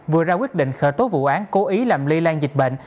vừa ra quyết định khởi tố vụ án cố ý làm lây lan dịch bệnh